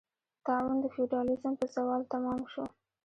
طاعون د فیوډالېزم په زوال تمام شو.